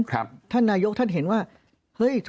เพราะอาชญากรเขาต้องปล่อยเงิน